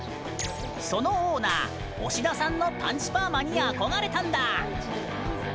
そのオーナー、押田さんのパンチパーマに憧れたんだ。